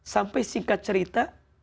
sampai singkat cerita